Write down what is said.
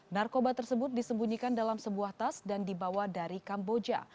narkoba tersebut disembunyikan dalam sebuah tas dan dibawa dari kamboja